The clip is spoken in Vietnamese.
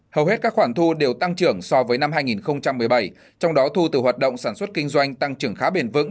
hầu hết các khoản thu đều tăng trưởng so với năm hai nghìn một mươi bảy trong đó thu từ hoạt động sản xuất kinh doanh tăng trưởng khá bền vững